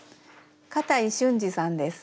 片井俊二さんです。